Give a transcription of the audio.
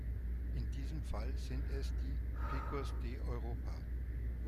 In diesem Fall sind es die Picos de Europa.